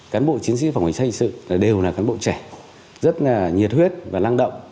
cán bộ chiến sĩ phòng hành sát hành sự đều là cán bộ trẻ rất là nhiệt huyết và lăng động